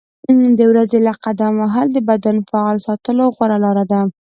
د ورځې لږ قدم وهل د بدن فعال ساتلو غوره لاره ده.